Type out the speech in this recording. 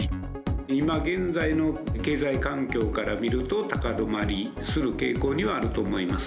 今現在の経済環境から見ると、高止まりする傾向にはあると思います。